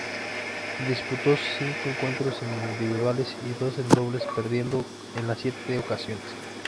Disputó cinco encuentros en individuales y dos en dobles, perdiendo en las siete ocasiones.